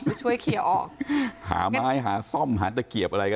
ไปช่วยเคลียร์ออกหาไม้หาซ่อมหาตะเกียบอะไรก็